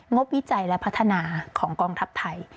บวิจัยและพัฒนาของกองทัพไทย